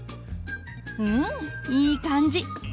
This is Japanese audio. うんいい感じ。